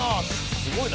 すごいな。